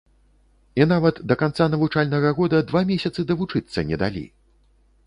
І нават да канца навучальнага года два месяцы давучыцца не далі!